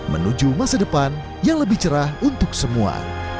menuju masa depan yang lebih cerah untuk semua